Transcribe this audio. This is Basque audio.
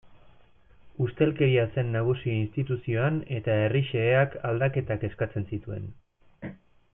Ustelkeria zen nagusi instituzioan eta herri xeheak aldaketak eskatzen zituen.